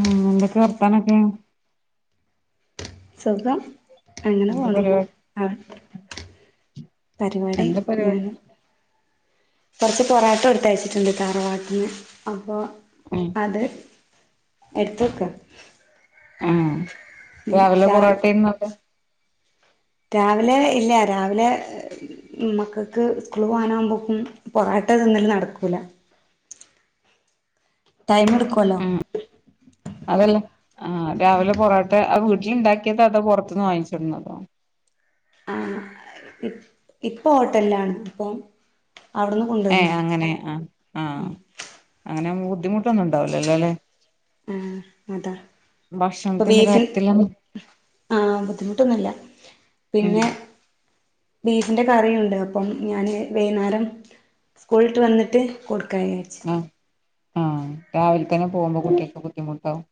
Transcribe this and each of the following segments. ഉം എന്തൊക്കെ വർത്താനൊക്കെ സുഖം അങ്ങനെ എന്ത പോണു പരിപാടി ആഹ് പരിപാടി എന്താ പരിപാടി ഞാൻ കൊറച്ച് പൊറാട്ട കൊടുത്ത് അയച്ചിട്ടുണ്ട് താറവാട്ടിന്ന് അപ്പോ ഉം അത് എടുത്ത് വക്കാ ആഹ് രാവിലെ പൊറോട്ടയാന്നു അവിടെ രാവിലെ ഇല്ല രാവിലെ മക്കക്ക് സ്കൂള് പോവാനാവുമ്പോക്കും പൊറാട്ട തിന്നല് നടക്കൂല ടൈം എടുക്കുവല്ലോ ഉം അതല്ല ആ രാവിലെ പൊറോട്ട ആ ഇജ്ജ് ണ്ടാക്കിയതോ അതോ പൊറത്ത്ന്ന് വാങ്ങിച്ച് കൊണ്ടുവന്നതോ ആഹ് ഇ ഇപ്പോ ഹോട്ടലിലാണ് ഇപ്പോം ഏഹ് അങ്ങനെ ആ ആഹ് അങ്ങനെ മൂ ബുദ്ധിമുട്ടൊന്നും ഉണ്ടാവുല്ലല്ലോ അല്ലെ ആ അതാ ഇപ്പൊ ഭക്ഷണത്തിന്റെ ബീഫിൻ കാര്യത്തിലൊന്നും ആഹ് ബുദ്ധിമുട്ടൊന്നും ഇല്ല ഉം പിന്നെ ബീഫിന്റെ കറിയുണ്ട് അപ്പം ഞാന് വൈകുന്നേരം സ്കൂൾ വിട്ട് വന്നിട്ട് കൊടു കഴിച്ച് ആഹ് ആഹ് രാവിലെ തന്നെ പോകുമ്പോ കുട്ടികൾക്ക് ബുദ്ധിമുട്ടാവും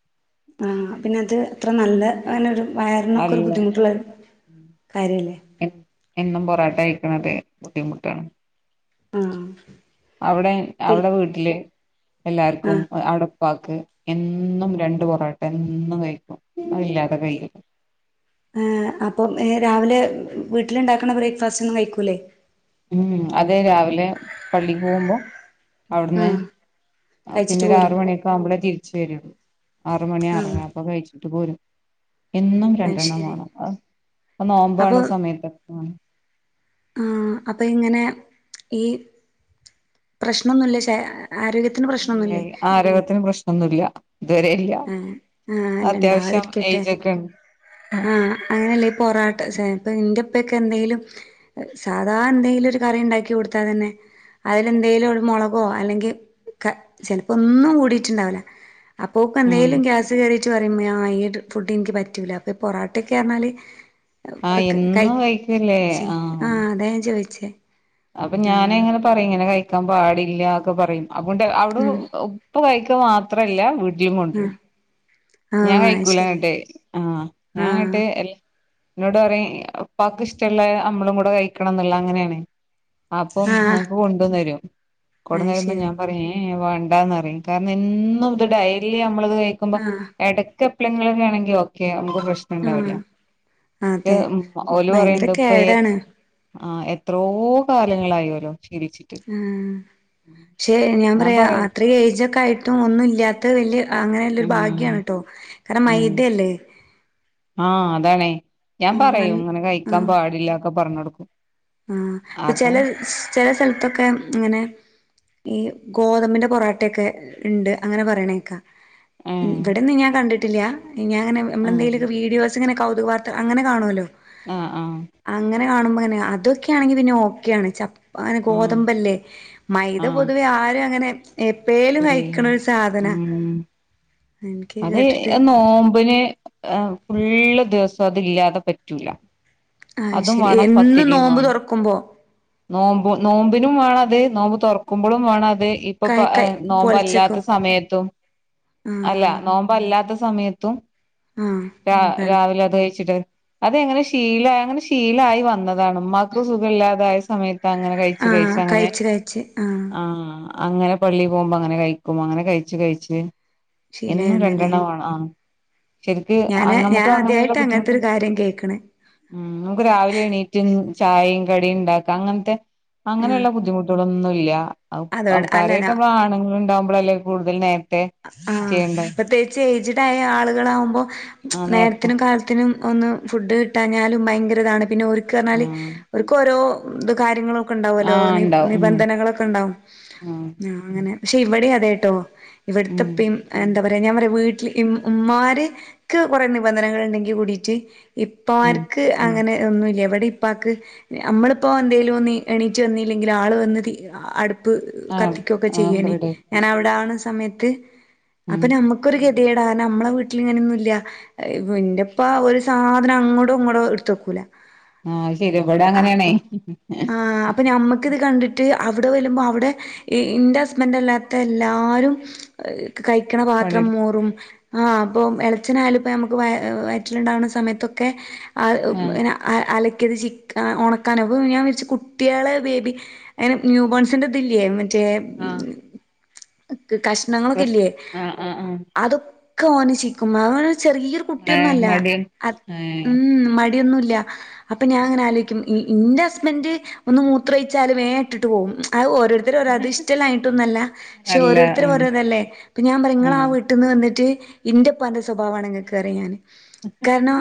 ആഹ് പിന്നത് അത്ര നല്ല അങ്ങനൊരു വയറിനൊക്കെ ഒരു അല്ല ബുദ്ധിമുട്ടുള്ളൊരു കാര്യം അല്ലേ ക്കണത് ബുദ്ധിമുട്ടാണ് ആഹ് അവിടെ അവിടെ വീട്ടില് ആ എല്ലാർക്കും അവിടെ പ്പാക്ക് എന്നും രണ്ട് പൊറോട്ട എന്നും കഴിക്കും അത് ല്ലാതെ കഴിയില ആ അപ്പം രാവിലെ വീട്ടിലുണ്ടാക്കണ ബ്രേക്ക്ഫാസ്റ്റ് ഒന്നും കഴിക്കൂലേ? ഉം അതെ രാവിലെ പള്ളിക്ക് പോകുമ്പോ ആ അവിടുന്ന് കഴിച്ചിട്ട് പിന്നൊ ഒരു പോരും ആറ് മണിയൊക്കെ ആകുമ്പളേ തിരിച്ച് വരു ആറ് മണി ആ ആറെര അപ്പം കഴിച്ചിട്ട് പോരും എന്നും അത് രണ്ടെണ്ണം ശരി വേണം പ്പൊ നോമ്പാവണ അപ്പോൾ സമയത്ത ആ അപ്പൊ ഇങ്ങനെ ഈ പ്രശ്നൊന്നുമില്ല ഇല്ലല്ല ആരോഗ്യത്തിന് പ്രശ്നൊന്നുല്ല ഇതുവരെല്ല ആ ആ അല്ല അത്യാവശ്യം ഉണ്ടാവാതിരിക്കട്ടെ ഏജൊക്കെ ആഹ് അങ്ങനെയല്ലേ ഈ പൊറാട്ട ന്റുപ്പൊക്കെ എന്തെലും സാധാ എന്തെങ്കിലും ഒരു കറി ഉണ്ടാക്കി കൊടുത്താ തന്നെ അതിലെന്തെലും മുളകോ അല്ലെങ്കിൽ ചിലപ്പോ ഒന്നും കൂടിട്ടുണ്ടാവില്ല. ഉം അപ്പോക്കെന്തേങ്കലും ഗ്യാസ് കേറി റ്റ് പറയുമ്പോ ആ ഈ ഫുഡ്നിക്ക് പറ്റൂല. ഇപ്പൊ പൊറാട്ടൊക്കെ പറഞ്ഞാല് ആഹ് കൈ എന്നും കഴിക്കല്ലേ ആഹ്. [unintelligible] അപ്പൊ ഞാന് ആഹ് ങ്ങനെ പറയും ഇങ്ങനെ കഴിക്കാൻ പാടി ല്ല ഒക്കെ പറയും. അതുകൊണ്ട് അവിടെ ഉം ഇപ്പ കഴിക്കുക മാത്രല്ല ആഹ് [unintelligible] ഞാൻ ആഹ് അത് ശരി കഴിക്കൂലന്നട്ടെ ആഹ് ഞാൻങ്ങട്ട് ആഹ് എല്ല എന്നോട് പറയും ഉപ്പാക്ക് ഇഷ്ടള്ള അമ്മളും കൂടെ കഴിക്കണം ന്ന്ള്ള അങ്ങനെയാണ്. അപ്പം ആഹ് അനക്ക് കൊണ്ടുവന്നു തരും. അത് കൊടന്നരുമ്പ ശരി ഞാൻ പറയേ വേണ്ടാന്നറയും കാരണം എന്നും ഇത് ഡെയ്‌ലി നമ്മളത് കഴിക്കുമ്പോ ആഹ് ക്കെപ്പളെങ്കിലൊക്കെ ആണെങ്കില് ഓക്കെ. ആഹ് പ്രശ്നണ്ടാവില്ല പക്ഷെ അതെ ഓല് ഭയങ്കര പറയണ്ട് പേ കേടാണ് ആഹ് എത്രയോ കാലങ്ങളായോലോ. ഉം ക്ഷെ ഞാൻ പറയാ അത്ര ഏയജൊക്കെ ആയിട്ടും ഒന്നു ഇല്ല്യാത്തത് വല്യ അ അങ്ങനെല്ലൊരു ഉം ഭാഗ്യാണ് ട്ടോ. കാരണം ഉം മൈദല്ലേ. ആഹ് അതാണെ ഞാൻ പറയും നല്ല ഇങ്ങനെ കഴിക്കാൻ പാടില്ലക്കൊ പറഞ്ഞൊടുക്കും. ആ പ്പൊ ചെല ചെല സൽത്തൊക്കെ ഇങ്ങനെ ഈ ഗോതമ്പിന്റെ പൊറാട്ടയൊക്കെ ഇണ്ട് അങ്ങനെ പറയണേക്കാ. ഏഹ് ഇവിടെന്ന് ഞാൻ കണ്ടി ട്ടില്ല. ഇനി ഞാൻ അങ്ങനെ ആഹ് അമ്മളെന്തെലൊരു വീഡിയോസ് ച്ച്ങ്ങന കൗതുക വാർത്ത അങ്ങനെ കാണു അല്ലോ? ആഹ് ആഹ്. കാണുമ്പങ്ങനെ അ തൊക്കെയാണെങ്കി പിന്നെ ഓക്കെയാണ്‌ ച്ച പ്പൊ അങ്ങനെ ആഹ് ഗോതമ്പല്ലേ മൈദ ആഹ് പൊതുവെ ആരു അങ്ങനെ എപ്പേലും കയിക്കണ ബിരിയാണി ഒരു സാധന അതേ ആ നോമ്പിന് ആഹ്‌ ഫുള്ള് ദിവസം പ്പതില്ലാതെ പറ്റൂല ആഹ് അതും ശെരി വേണം എന്നും നോമ്പ് തൊറക്കുമ്പോ നോമ്പും നോമ്പിനും വേണത് നോമ്പ് തൊറക്കുമ്പൊളും വേണത് ത് കൈ ഇപ്പപ്പാ കൈ നോമ്പല്ലാത്ത പൊലച്ചക്കും സമയത്തും ആഹ് അല്ല ഇല്ലാത്ത സമയത്തും ആഹ് രാ വേണം രാവിലെ അത് കഴിച്ചിട്ട് അതെങ്ങനെ ശീല അങ്ങനെ ശീലായി വന്നാ താണ്‌ മ്മാക്ക് സുഖല്ലാതായ് സമയത് തങ്ങനെ കഴിച്ച് ആഹ് കഴിച്ചങ്ങനെ കഴിച്ച് കഴിച്ച് ആഹ് അങ്ങനെ പള്ളീ പോകുമ്പോ അങ്ങനെ കഴിക്കും അങ്ങനെ കഴിച്ച് കഴിച്ച് ശീലായി എന്നും വന്നല്ലേ രണ്ടെണ്ണവാണ് ആഹ് ശെരിക്ക് ഞാന് അങ്ങ് ഞാൻ മ്മക്ക് അങ്ങനൊള്ള ആദ്യായിട്ടാ ബുദ്ധിമുട്ട് അങ്ങനത്തൊരു കാര്യം കേക്കണേ ഉം നമുക്ക് രാവിലെ എണീറ്റ് ചായേം കടിയും ഇണ്ടാക്ക അങ്ങൻത്തെ ആഹ് അങ്ങനെള്ള ബുദ്ധിമുട്ടുകളൊന്നും ഇല്ലാ ഔ അതോണ്ട് അല്ല നമുക്കാര്യായിട്ട് ഞാ നമ്മള് ആണ്ങ്ങള് ഇണ്ടാവ് വെല കൂതൽനെ ആഹ് പ്രത്യേകിച്ച് ഏയ്ജഡായ ആളുകളാവുമ്പോ ആഹ് നേരത്തെ നേരത്തിനും കാലത്തിനും ഒന്ന് ഫുഡ് കിട്ടഞ്ഞാലും ഭയങ്കരതാണ് പിന്നെ ഓര്ക്ക പറ്ഞ്ഞാല് ആഹ് ഒര്ക്ക് ഓരോ ഇത് കാര്യങ്ങളും ക്കെ ഇണ്ടാവൊല്ലോ ആഹ് ഉണ്ടാവും ഉം നിബന്ധനകളൊക്കെ ഇണ്ടാവും ഉം അങ്ങനെ പക്ഷെ ഇവിടെ അതേട്ടോ ഇവിട്ത്തെ ഉം ഇപ്പിം എന്താ അവര ഞാൻ പറയാ വീട്ടില് ഇം ഉമാര് ക്ക് കൊറെ നിബന്ധനകൾ ഇണ്ടെങ്കി കൂടിട്ട് ഉം ഇപ്പാര്ക്ക് അങ്ങനെ ഒന്നുല്ല ഇവടെ ഇപ്പാക്ക് നമ്മള് ഇപ്പോ എന്തേലു ഒന്ന് എണീച്ചു വന്നീല്ലെങ്കില് ആള് വന്ന് തീ അ അട് പ്പ് ആഹ് കത്തിക്കൊക്കെ ആക്കെ ചെയ്യോനി റെഡി ആക്കി ഞാനവ്ടെ ആവ്ണ സമയ ത് ഉം അപ്പൊ നമ്മക്കൊരു ഹെൽ ല്ലടാ കാരണം നമ്മളെ വീട്ടില് ഇങ്ങനൊന്നുല്ല ഇന്റെപ്പ ഒരു സാധനം അങ്ങോടോ ഇങ്ങോട്ടോ എട്ത്ത് വെക്കൂല ആഹ് അഹ്ശെരിയാ ഇവടെ അങ്ങനെയാണേ ഇത് കണ്ടിട്ട് അവിടെ വരുമ്പോ അവിടെ ഇന്റെ ഹസ്ബൻ്റ് അല്ലാത്ത എല്ലാരും അ് കഴിക്ക്ണ പാത്രം പണിയെടു മോറും ആഹ് അപ്പൊം എളച്ചനായാലുപ്പോ ഞമ്മക്ക് വ വയറ്റില്ണ്ടാവ്ണ സമയത്തൊക്കെ അ അ്ഉം ആഹ് പിന്നെ അ അല്ലെ ക്കിയത് ചിക്കാ ഒണക്കാനോ അപ്പൊ ഞാൻ വിര്ച്ച് കുട്ട്യളെ ബേബി എ ന്യൂ ബോൺസിന്റെ ഇതില്ലേ മ റ്റേ ആഹ് ഉം കഷ് നങ്ങളൊക്കെല്ല്യേ ആഹ് ആഹ് ആഹ് അതൊ ക്കൊന് ചിക്കുമ്മ ചെറിയൊരു ഏഹ് കുട്ട്യൊന്നല്ല മടിയൻ അ ഏഹ് ഉം മ യൊന്നുല്ല അപ്പൊ ഞാൻ ഇങ്ങനെ ആലോയ്ക്കും ഇ ഇൻ്റെ ഹസ്ബന്റ് ഒന്ന് മൂത്രൊയ്ച്ചാല് വേ ഇട്ടിട്ട് പോവും അത് ഓ ഓരോര്ത്തര് പറിം അത് ഇഷ്ടല്ലാഞ്ഞിട്ടൊന്നുല്ല പക്ഷെ അല്ല ഓരോര്ത്തര് ആഹ് ഓരോ ല്ലെ അപ്പോ ഞാം പറിം ഇങ്ങളാ ആഹ് വീട്ട്ന്ന് ന്നിട്ട് ഇന്റെ പ്പാന്റെ സ്വഭാവാണ് ഇങ്ങക്ക് റിം ഞാന് കാരണം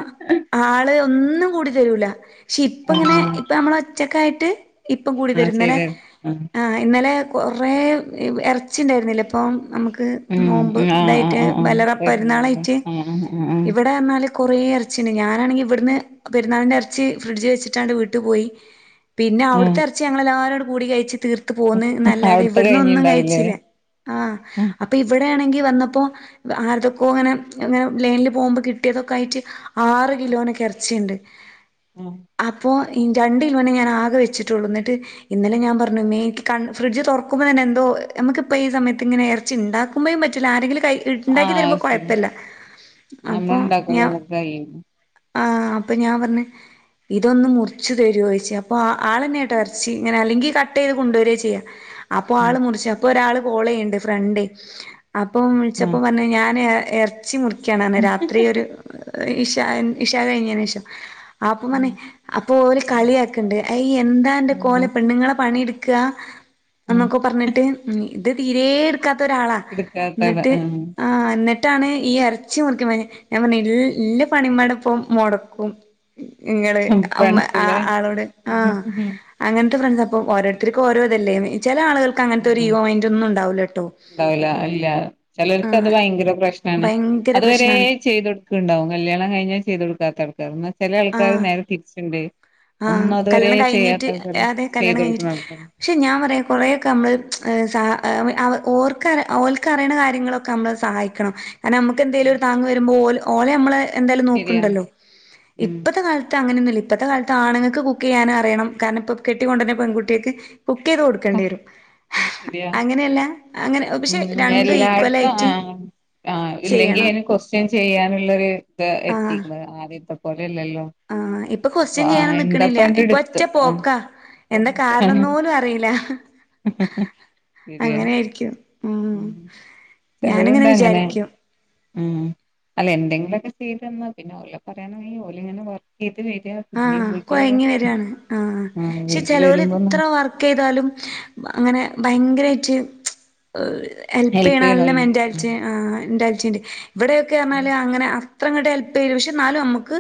ആള് ഒന്നും കൂടി തരൂല ക്ഷി പ്പങ്ങനെ ആഹ് ഇപ്പ അമ്മളൊ ച്ചക്കായിട്ട് ഇപ്പം ആഹ് കൂടിതരും ഇന്നലെ ശരി ആഹ് ആ ഇന്നലെ കുറേ എറച്ചി ണ്ടായിരുന്നില്ലേ പെ അപ്പം നമക്ക് ഉം നോമ്പ് ആഹ് ആഹ് ഇതായിട്ട് ആഹ് ആഹ് വല്ലറ പെരുന്നാളിന് പെരുന്നാളായിട്ട് ആഹ് ആഹ് ആഹ് ആഹ് ഇവിടെ ർഞാല് കുറേ എർച്ചിണ്ട് ഞാനാണെങ്കി ഇവട്ന്ന് പെരുന്നാളിന്റെ എറച്ചി ഫ്രിഡ്ജ് വെച്ചിട്ടാണ്ട് വീട്ടു പോയി പിന്നെ ആഹ് അവിടത്തെറച്ചി ഞങ്ങൾ എല്ലാരു കൂടി കഴിച്ച് തീർത്ത് പോന്ന് എന്നല്ലാതെ അവിടുത്തെ ഇവിട്ന്ന് ഒന്നും കഴിഞ്ഞിണ്ടാവൂലേ കഴിച്ചില്ല ആ ആഹ് അപ്പൊ ഇവ ഇവിടെയാണെങ്കി വന്നപ്പോ ആർതൊക്കോ ഇങ്ങനെ ഇങ്ങനെ ലൈനിൽ പോകുമ്പോൾ കിട്ടിയതൊക്കെ ആയിട്ട് ആറ് കിലോനക്കെ ഇറച്ചിയ്ണ്ട് ആഹ് അപ്പോ ഈ രണ്ട് കിലോനെ ഞാൻ ആകെ വെച്ചിട്ടുള്ളൂ എന്നിട്ട് ഇന്നലെ ഞാൻ പറഞ്ഞു മേ എനിക്ക് കൺ ഫ്രിഡ്ജ് തുറക്കുമ്പോൾ തന്നെ എന്തോ നമുക്കിപ്പോ ഈ സമ ക്കിങ്ങനെ ഇറച്ചി ഇണ്ടാക്കുമ്പോഴും പറ്റൂല്ല ആരെങ്കി ഇണ്ടാക്കി ആഹ് തരുമ്പോ അത് ശരി കുഴപ്പല്ലാ അപ്പൊ നമ്മൾ ഇണ്ടാക്കുമ്പോ ഞാൻ നമുക്ക് കഴിയും ആ അപ്പൊ ഞാൻ പറഞ്ഞു ഇതൊന്ന് മുറിച്ചു തരുവോ ചോദിച്ച് അപ്പൊ ആൾ തന്നെയാട്ടോ ഇറച്ചി ഇങ്ങനെ അല്ലെങ്കി കട്ട് ചെയ്ത് കൊണ്ട് വരികാ ചെയ്യാ അപ്പൊ ആൾ ഉം മുറിച്ച് അപ്പൊ ഒരാള് കോൾ ചെയ്യ ഫ്രണ്ട് അപ്പം വിളിച്ചപ്പോ ആഹ് പറഞ്ഞ് ഞാന് എ എറച്ചി മുറി ക്കാണ് അന്ന് രാത്രി ഒരു ഇഷ ഇഷാ കഴിഞ്ഞതിന് ശേഷം അപ്പം ആഹ് പറഞ്ഞ് അ ഇപ്പോ ഓര് കളിയാക്ക്ണ്ട് ഐ ഈ എന്താ എന്റെ ആഹ് കോലം പെണ്ണുങ്ങള് പണിയെട് കാ ആഹ് അന്നൊക്കെ പറഞ്ഞിട്ട് അത് തീ ഏർ ക്കാത്ത ഒരാളാ എടുക്കാത്തടെ എന്നിട്ട് ആഹ് ആ എന്നി ട്ടാണ് ഈ ഇറച്ചി മുറിക്കാൻ പറഞ്ഞ് ഞാൻ പറഞ്ഞ് ഇൽ ഇല്ല പണി ഉമ്മേടെ ഇപ്പം മൊടക്കും നിങ്ങള് അമ്മ ഫ്രണ്ട്സിലെ ആളോട് ആ ഉം അങ്ങനത്തെ ഫ്രണ്ട് അപ്പം ഓരോരുത്തർക്കും ഓരോതല്ലേ ചില ആളുകൾക്ക് അങ്ങനത്തെ ഒരു ഈഗോ മൈന്റൊന്നും ണ്ടാവു ഉണ്ടാവൂല അല്ല ആ ചിലർക്ക് അത് ഭയങ്കര പ്രശ്നമാണ് ഭയങ്കര അതുവരെ പ്രശ്നാണ് ചെയ്ത കൊടുക്കുണ്ടാവും കല്യാണം കഴിഞ്ഞാൽ ചെയ്ത് കൊടുക്കാത്ത [unintelligible] ആ നേരെ തിരിച്ചുണ്ട് ആ ഒന്നും അതുവരെ കല്യാണം ചെയ്യാത്ത കഴിഞ്ഞിട്ട് ആൾക്കാര് അതെ ചെയ്ത് കല്യാണം കഴിഞ്ഞിട്ട് കൊടുക്കുന്ന ആൾക്കാര് പക്ഷെ ഞാൻ പറയാ കൊറെയൊക്കെ നമ്മള് സ ഓർക്ക് ഓൽക്കറിയണ കാര്യങ്ങളൊക്കെ നമ്മളെ സഹായിക്കണം അന്നമുക്ക് എന്തേലും ഉം ഒരു താങ് വരുമ്പോൾ ഓല് ഓലെ നമ്മള് എന്തായാലും ശരിയാ നോക്കണ്ടല്ലോ ഉം ഇപ്പത്തെ കാലത്ത് അങ്ങനെയൊന്നു ഇപ്പത്തെ കാലത്ത് ആണുങ്ങൾക്ക് കുക്ക് ചെയ്യാനറിയണം കാരണം ഇപ്പൊ കെട്ടികൊണ്ട് വരുന്ന പെൺകുട്ടികൾക്ക് ശരിയാ അങ്ങനെയല്ല അങ്ങനെ പക്ഷെ രണ്ടും എല്ലായിടത്തും ഈക്വലായിട്ട് ആ ഇല്ലെങ്കിൽ ചെയ്യണം അയ്നെ ക്വസ്റ്റ്യൻ ചെയ്യാനുള്ളൊരു ഇത് ആഹ് എത്തിക്കുന്നത് ആദ്യത്തെ പോലെയല്ലല്ലോ ആഹ് ഇപ്പൊ ക്വസ്റ്റ്യൻ ചെയ്യാൻ ആഹ് നിക്കണില്ല എന്താപ്പണ്ട് ഇപ്പൊ ഒറ്റ എടുത്ത് ആഹ് പോക്കാ എന്താ കാരണന്ന് പോലും അറിയില്ല ശരിയാ അങ്ങനായിരിക്കും ഉം ഞാനിങ്ങനെ ചിലരുണ്ട് അങ്ങനെ വിചാരിക്കും ഉം അല്ല എന്തെങ്കിലുമൊക്കെ ചെയ്തന്നാ പിന്നെഓലെ പറയാനുമില്ല ഓല് ഇങ്ങനെ വർ ഹ് കൊയങ്ങി വരാണ് ആഹ് പക്ഷെ വീട്ടില് ചെലൊര് വരുമ്പോ എത്ര വർക്ക് ചെയ്താലും അങ്ങനെ ഭയങ്കരമായിട്ട് ഹെൽപ്പ് ഹെൽപ് ചെയ്യണല്ലാ ചെയ്യണോല്ലോ മെന്റാലിറ്റി ആ [unintelligible] ച്ചിണ്ട് ഇവിടെയൊക്കെ പറഞ്ഞാൽ അങ്ങനെ അ അത്രങ്ങട്ട് ഹെൽപ് ചെയ്യൂല പക്ഷെ എന്നാലും നമുക്ക്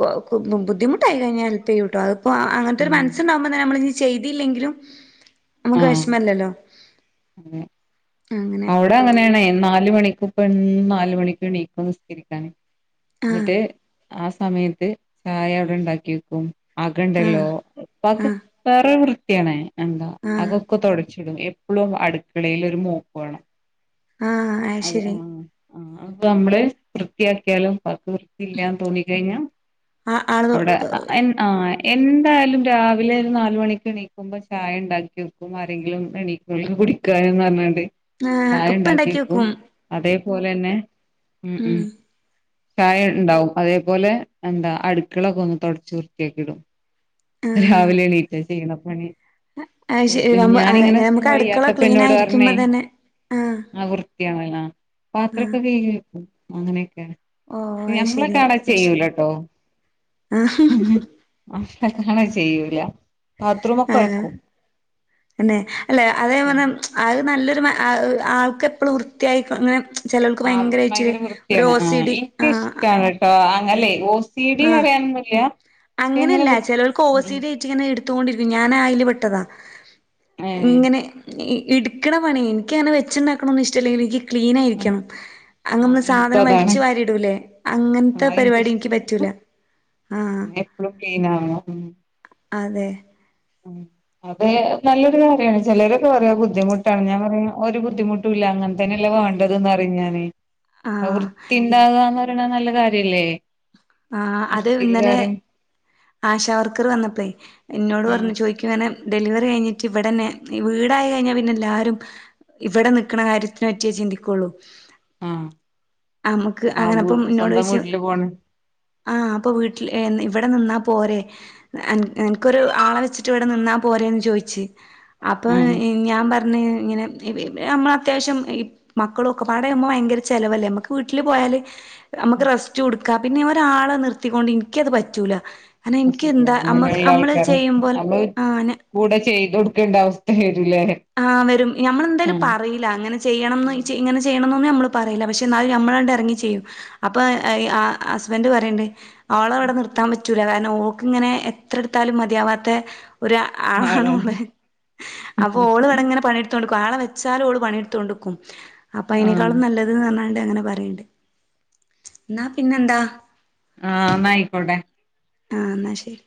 [unintelligible] ബുധമുട്ടായി കഴിഞ്ഞാൽ ഹെല്പ് ചെയ്യുട്ടോ അപ്പോ അങ്ങനത്തെ ഒരു ഉം മനസ്സുണ്ടാവുതന്നെ നമ്മള് ചെയ്തില്ലെങ്കിലും നമുക്ക് ആഹ് വിഷമല്ലല്ലോ അതെ അവിടെ അങ്ങനെയണെ നാല് മണിക്കു ഇപ്പെന്നും നാല് മണിക്ക് എണീക്കും നിസ്കരിക്കാന് ആഹ് എന്നിട്ട് ആ സമയത്ത് ചായ അവിടെ ഉണ്ടാക്കി വെക്കും ആഹ് ആകണ്ടല്ലോ ഉപ്പാക്ക് ആഹ് വേറെരു പ്ര [unintelligible] എന്താ ആഹ് അകൊക്കെ തുടച്ചിടും എപ്പളും അടുക്കളെയിലൊരു പോണം ആഹ് അത് അതെ ശരി ആഹ് ആഹ് അതൊക്കമ്മള് വൃത്തിയാക്ക്യാലും ഇപ്പാക്ക് വൃത്തില്ലാന്ന് തോന്നിക്കഴിഞ്ഞാ ആ ആള് അവടെ എൻ ആഹ് എന്തായാലും രാവിലെ ഒരു നാലു മണിക്ക് എണീക്കുമ്പം ചായ ണ്ടാക്യക്കും ആരെങ്കിലും എണീക്കോലോ കുടിക്കാന് ന്ന് പർഞ്ഞാണ്ട് ആഹ് ഇപ്പ ണ്ടാക്കി ക്കും അതെ പോലെന്നെ ഉം ഉം ചായ ഉണ്ടാവും അതേപോലെ എന്താ അടുക്കളക്കെ ഒന്ന് തുടച്ച് വൃത്തിയാക്കി ഇടും. രാവിലെ എണീറ്റ ചെയ്യണ പണി അയ് ശരി ചെലപ്പോ ഞാനിങ്ങനെ ഇങ്ങനെ നമുക്ക് അടുക്കള വയ്യാത്തപ്പ ക്ലീൻ എന്നോട് പറഞ്ഞേ ആയിരിക്കുമ്പോ തന്നെ ആഹ് [unintelligible] ആഹ് പാത്രൊക്കെ കൈകിവക്കും. അങ്ങനെയൊ ഓ അത് ശരി ഞമ്മളൊക്കെ ആണേ മാഷാ ചെയ്യൂലട്ടോ. ആഹ് ക്കണ ചെയ്യൂല. ബാത്റൂമൊക്കെ ആണോ ഒരക്കും എന്നെ അല്ലെ അതേ പറഞ്ഞെ അത് നല്ലൊരു ആൾക്കെപ്പളും വൃത്തിയായികണം ഇങ്ങനെ ആഹ് ഭയങ്കര വൃത്തിയാണ് ആഹ് ഡി എനക്ക് ആഹ് ഇഷ്ടാണിട്ടോ ല്ലേ ഓസ് ആഹ് അങ്ങനെ അങ്ങനെയല്ല വൃ ചിലവർക്ക് ഉം ഓസിഡി അയിറ്റിങ്ങനെ ഇട് തോണ്ടിരിക്കും ഞാനാ അയില് പെട്ടതാ. ഏ ഇങ്ങനെ ഈ എടുക്കണ പണി എനക്കങ്ങനെ വെച്ചുണ്ടാക്കണൊന്നു ഇഷ്ടല്ല എനിക്ക് ക്ലീനായിരിക്കണം ആ അങ്ങൊന്ന് എനിക്കും സാധനം അതാണ് വലിച്ചു വാരിടൂല്ലേ അങ്ങനത്തെ ആ പരിപാടി എനിക്ക് പ എനിക്കിഷ്ടാണ് എപ്പളും ക്ലീനാവണം. അതെ ഉം അതെ നല്ലൊരു കാര്യമാണ് ചിലരൊക്കെ പറയും ബുദ്ധിമുട്ടാണ് ഞാൻ പറയും ഒരു ബുദ്ധിമുട്ടുംല്ല അങ്ങന തന്നേല്ലെ വെണ്ടതെന്ന് പറയും ഞാൻ ആഹ് വൃത്തി ഇ- ഉണ്ടാകാന് ടാൻ നല്ല കാര്യല്ലേ ആഹ് അത് വൃത്തിയില് ഇന്നലെ കാര്യം ആശാവർക്കറ് വന്നപ്പേ എന്നോട് ആ പറഞ്ഞു ചോയിക്കുവാനേ ഡെലിവറി കഴിഞ്ഞിട്ട് ഇവിടന്നെ ഈ വീടായി കഴിഞ്ഞാ പിന്നെ എല്ലാരും ഇവടെ നിക്ക്ണ കാര്യത്തിന പറ്റിയേ ചിന്തിക്കൊള്ളൂ ആഹ് അമുക്ക് ആഹ് അങ്ങനപ്പം സ്വന്തം എന്നോടോയ്ച്ചു വീട്ടില് പോണ് ആഹ് അപ്പൊ വീട്ടില് ഏന്ന് ഇവടെ നിന്നാ പോരേ എൻ എൻക്കൊരു ആളെ വെച്ചിട്ടിവിടെ നിന്നാ പ് പോരേന്ന് ചോയിച്ച് അപ്പോ ആഹ് ഈ ഞാമ്പറ് ന്നീ ഇങ്ങനെ [unintelligible] അമ്മളത്യാവശ്യം ഈ മക്കളൊക്കെപ്പാടെയാമ്പോ ഭയങ്കര ചെലവല്ലേ മ്മക്ക് വീട്ടില് പോയാല് അമ്മുക്ക് റസ്റ്റ് കൊടുക് പിന്നെ ഒരാളെ നിർത്തിക്കൊണ്ട് ഇനിക്കത് പറ്റൂല കാരണം അത് എനിക്ക് ശരിയാ എന്താ നമ്മക്ക് അങ്ങനെള്ള നമ്മള് ആൾക്കാര ചെയ്യുമ്പോൾ നമ്മള് ആഹ് കൂടെ ചെയ്തൊടുക്കേണ്ട അവസ്ഥ വരൂല്ലേ ആഹ് വരും ഞമ്മളെന്തേലും പറയില്ല അങ്ങനെ ചെയ്യണംന്ന് ഇ ഉം ചെയ് ഇങ്ങനെ ചെയ് യ്യണന്നൊന്നും ഞമ്മള് പറയില്ല പക്ഷ് എന്നാലും ഞമ്മളാണ്ട് എറങ്ങി ചെയ്യും അപ്പൊ ഐ ആ ഹസ്ബൻഡ് പറയണ്ട് അവളവടെ നിർത്താമ്പറ്റ് റ്റൂല കാരണം ഓക്കിങ്ങനെ എത്രെടുത്താലും മതിയാവാത്ത ഒരു ആളാണ് മോളെ അവ് ഇവളിവിടിങ്ങനെ പണിയെടുത്തോൺ ണ്ട്ക്കും ആളെ വെച്ചാലും ഓള് പണിയെടുത്തോണ്ട്ക്കും അപ്പയിനേക്കാളും ആഹ് നല്ലത് ന്നറഞ്ഞാ ടങ്ങനെ പറയിണ്ട് ന്നാ പിന്നെന്താ ആഹ് അന്നാ ആയിക്കോട്ടെ ആഹ് അന്നാ ശരി